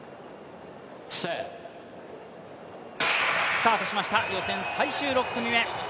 スタートしました、予選最終６組目。